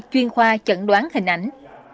chuyên khoa chẩn đoán hình ảnh